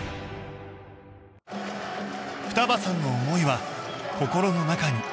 双葉さんの思いは心の中に。